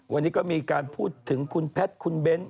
วันนี้ก็มีการพูดถึงคุณแพทย์คุณเบ้น